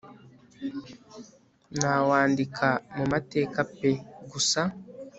nawandika mumateka pe gusa